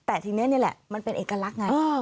แต่ทีนี้นี่แหละมันเป็นเอกลักษณ์ไง